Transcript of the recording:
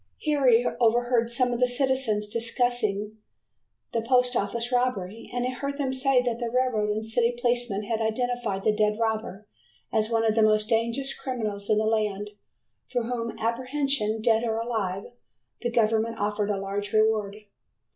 Here he overheard some of the citizens discussing the post office robbery, and he heard them say that the railroad and city policemen had identified the dead robber as one of the most dangerous criminals in the land for whose apprehension "dead or alive", the government offered a large reward.